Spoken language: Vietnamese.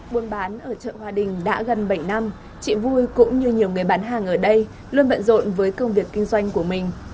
buôn bán ở chợ hòa đình đã gần bảy năm chị vui cũng như nhiều người bán hàng ở đây luôn bận rộn với công việc kinh doanh của mình